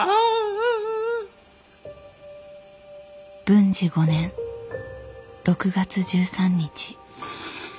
文治５年６月１３日。